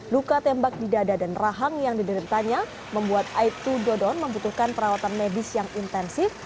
luka tembak di dada dan rahang yang dideritanya membuat aibtu dodon membutuhkan perawatan medis yang intensif